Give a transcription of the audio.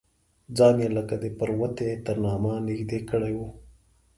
ځان یې لکه د پروتې تر نامه نږدې کړی و.